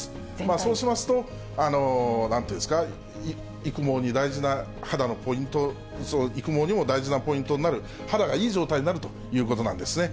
そうしますと、なんというんですか、育毛に大事な肌のポイント、育毛にも大事なポイントになる、肌がいい状態になるということなんですね。